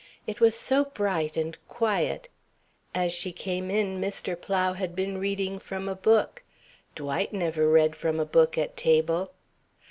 It was so bright and quiet. As she came in, Mr. Plow had been reading from a book. Dwight never read from a book at table.